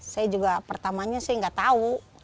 saya juga pertamanya saya nggak tahu